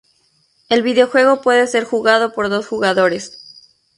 El videojuego puede ser jugado por dos jugadores.